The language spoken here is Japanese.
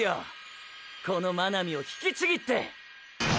この真波を引きちぎって！！